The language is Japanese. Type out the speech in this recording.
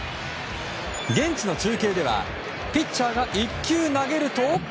現地の中継ではピッチャーが１球投げると。